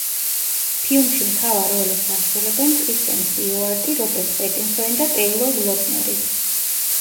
ფილმში მთავარ როლებს ასრულებენ კრისტენ სტიუარტი, რობერტ პეტინსონი და ტეილორ ლოტნერი.